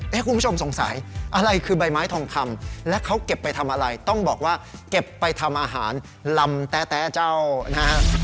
คุณผู้ชมสงสัยอะไรคือใบไม้ทองคำและเขาเก็บไปทำอะไรต้องบอกว่าเก็บไปทำอาหารลำแต๊เจ้านะฮะ